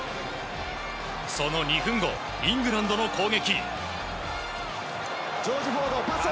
その２分後、イングランドの攻撃。